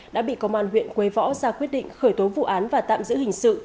đã bị công an huyện quế võ ra quyết định khởi tố vụ án và tạm giữ hình sự